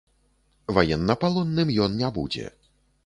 Ваеннапалонным ён не будзе.